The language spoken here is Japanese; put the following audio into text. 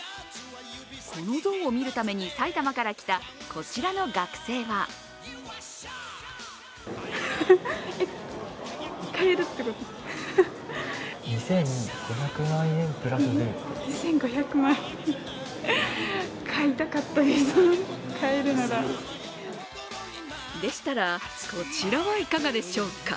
この像を見るために埼玉から来たこちらの学生はでしたら、こちらはいかがでしょうか？